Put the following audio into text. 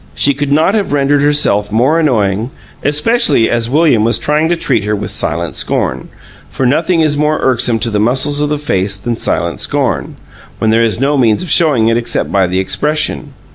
She could not have rendered herself more annoying, especially as William was trying to treat her with silent scorn, for nothing is more irksome to the muscles of the face than silent scorn, when there is no means of showing it except by the expression.